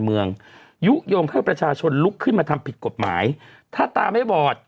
เมืองยุโยงให้ประชาชนลุกขึ้นมาทำผิดกฎหมายถ้าตาไม่บอด